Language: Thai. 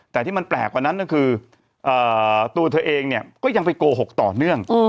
แต่ที่มันแปลกกว่านั้นก็คือตัวเธอเองเนี่ยก็ยังไปโกหกต่อเนื่อง